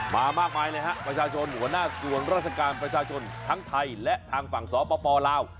มามากมายเลยฮะประชาชนหัวหน้าส่วนราชการประชาชนทั้งไทยและทางฝั่งสปลาว